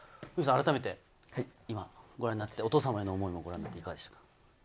改めてご覧になって、お父様の思いをご覧になっていかがでした？